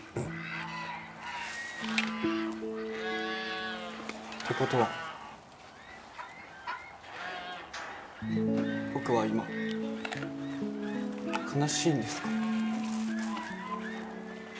って事は僕は今悲しいんですか？